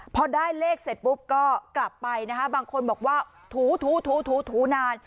พอได้เลขเสร็จปุ๊บก็กลับไปนะคะบางคนบอกว่าถูถูนาน